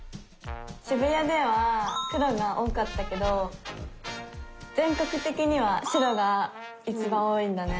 渋谷では黒が多かったけど全国てきには白がいちばん多いんだね。